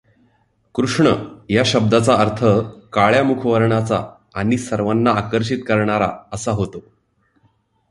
कृष्ण या शब्दाचा अर्थ काळ्या मुखवर्णाचा आणि सर्वाना आकर्षित करणारा असा होतो.